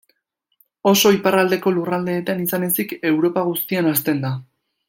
Oso iparraldeko lurraldeetan izan ezik Europa guztian hazten da.